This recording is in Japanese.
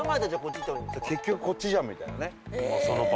結局こっちじゃんみたいなね。